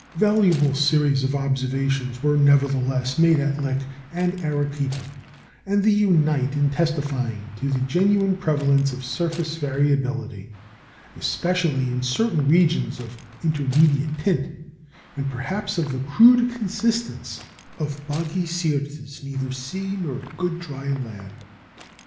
Valuable series of observations were, nevertheless, made at Lick and Arequipa; and they unite in testifying to the genuine prevalence of surface variability, especially in certain regions of intermediate tint, and perhaps of the "crude consistence" of "boggy Syrtes, neither sea, nor good dry land."